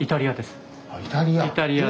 あイタリア。